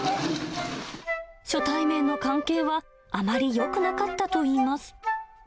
初対面の関係はあまりよくなかったといいます。